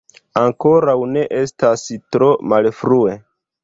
Ankoraŭ ne estas tro malfrue!